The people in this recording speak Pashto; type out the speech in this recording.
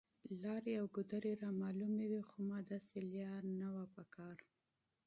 لارې او ګودرې رامعلومې وې، خو ما داسې لار نه وه په کار.